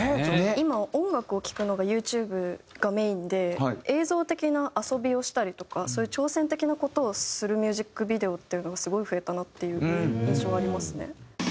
今音楽を聴くのがユーチューブがメインで映像的な遊びをしたりとかそういう挑戦的な事をするミュージックビデオっていうのがすごい増えたなっていう印象はありますね。